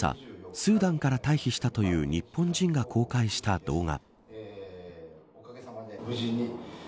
スーダンから退避したという日本人が公開した動画。